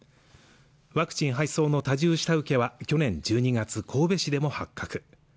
ワクチン配送の多重下請けは去年１２月神戸市でも発覚